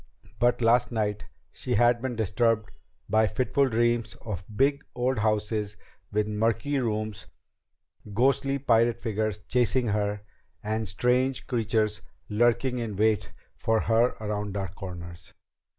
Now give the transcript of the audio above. But last night she had been disturbed by fitful dreams of big old houses with murky rooms, ghostly pirate figures chasing her, and strange creatures lurking in wait for her around dark corners.